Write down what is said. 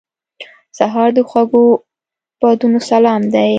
سهار د خوږو بادونو سلام دی.